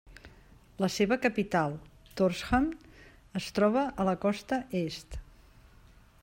La seva capital, Tórshavn es troba a la costa est.